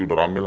sudah rame lah